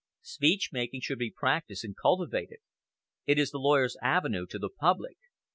Speech making should be practised and cultivated. "It is the lawyer's avenue to the public.